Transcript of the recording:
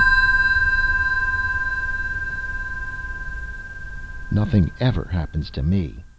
_] "Nothing ever happens to me!"